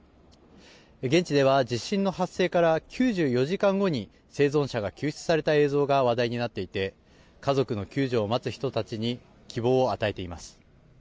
現地では地震の発生から９４時間後に生存者が救出された映像が話題になっていて家族の救助を待つ人たちに希望を与えています。